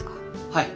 はい。